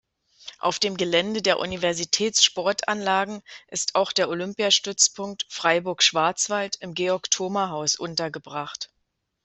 Auf dem Gelände der Universitäts-Sportanlagen ist auch der Olympiastützpunkt Freiburg-Schwarzwald im Georg-Thoma-Haus untergebracht.